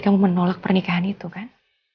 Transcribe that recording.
kamu menolak pernikahan itu kan